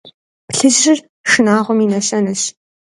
Плъыжьыр – шынагъуэм и нэщэнэщ.